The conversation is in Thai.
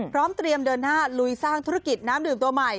พร้อมเตรียมเดินหน้าลุยสร้างธุรกิจน้ำดื่มตัวใหม่